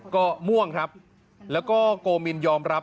ก็ม่วงครับแล้วก็โกมินยอมรับ